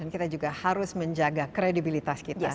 dan kita juga harus menjaga kredibilitas kita